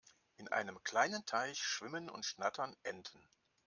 In einem kleinen Teich schwimmen und schnattern Enten.